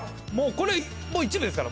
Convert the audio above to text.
これも一部ですから。